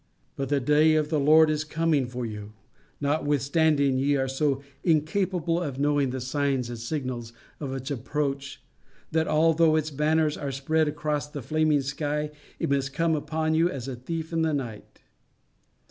But the day of the Lord is coming for you, notwithstanding ye are so incapable of knowing the signs and signals of its approach that, although its banners are spread across the flaming sky, it must come upon you as a thief in the night.